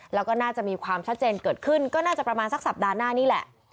แล้วก็น่าจะมีความชัดเจนเกิดขึ้นก็น่าจะประมาณสักสัปดาห์หน้านี่แหละ